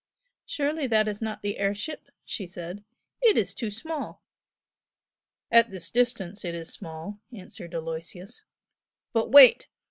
"Surely that is not the air ship?" she said "It is too small!" "At this distance it is small" answered Aloysius "But wait!